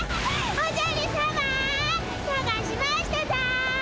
おじゃるさまさがしましたぞ！